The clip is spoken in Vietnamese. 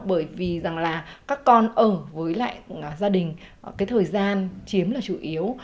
bởi vì rằng là các con ở với lại gia đình cái thời gian chiếm là chủ yếu